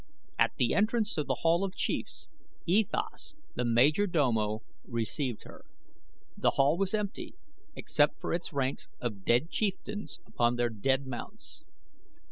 At the entrance to The Hall of Chiefs E Thas, the major domo, received her. The Hall was empty except for its ranks of dead chieftains upon their dead mounts.